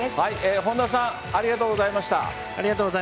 本田さんありがとうございました。